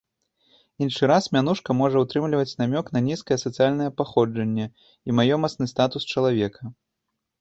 Іншы раз мянушка можа ўтрымліваць намёк на нізкае сацыяльнае паходжанне і маёмасны статус чалавека.